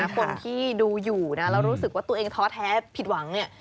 คนที่ดูอยู่เรารู้สึกว่าตัวเองท้อแท้ผิดหวัง